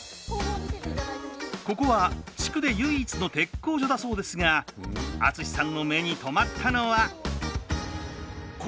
ここは地区で唯一の鉄工所だそうですが敦士さんの目に留まったのは？